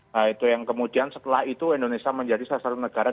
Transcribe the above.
nah itu yang kemudian setelah itu indonesia menjadi salah satu negara